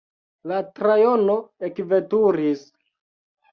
La trajno ekveturis.